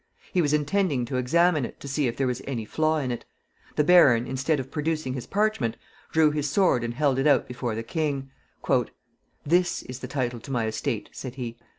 He was intending to examine it, to see if there was any flaw in it. The baron, instead of producing his parchment, drew his sword and held it out before the king. "This is my title to my estate," said he.